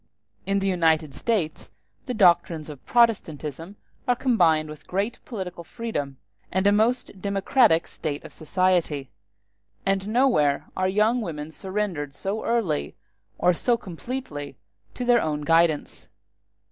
In the United States the doctrines of Protestantism are combined with great political freedom and a most democratic state of society; and nowhere are young women surrendered so early or so completely to their own guidance.